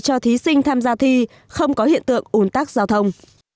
cho thí sinh tham gia thi không có hiện tượng ủn tắc giao thông